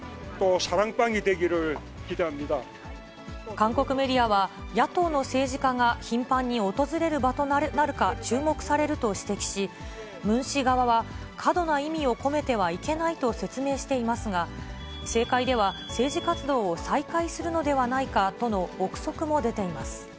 韓国メディアは、野党の政治家が頻繁に訪れる場となるか注目されると指摘し、ムン氏側は、過度な意味を込めてはいけないと説明していますが、政界では政治活動を再開するのではないかとの臆測も出ています。